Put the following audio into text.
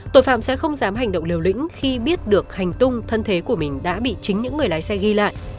tội phạm sẽ không dám hành động liều lĩnh khi biết được hành tung thân thế của mình đã bị chính những người lái xe ghi lại